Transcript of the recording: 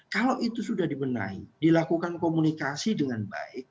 kalau itu sudah dibenahi dilakukan komunikasi dengan baik